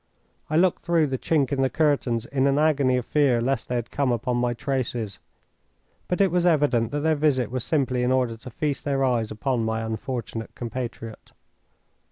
I looked through the chink in the curtains in an agony of fear lest they had come upon my traces, but it was evident that their visit was simply in order to feast their eyes upon my unfortunate compatriot.